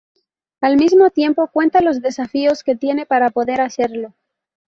Al mismo tiempo cuenta los desafíos que tiene para poder hacerlo.